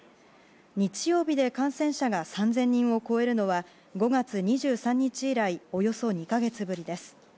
日曜日で感染者が３０００人を超えるのは５月２３日以来およそ２か月ぶりです。